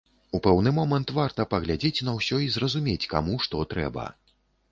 У пэўны момант варта паглядзець на ўсё і зразумець, каму што трэба.